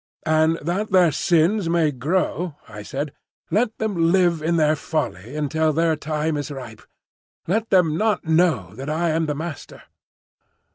"And that their sins may grow," I said, "let them live in their folly until their time is ripe. Let them not know that I am the Master."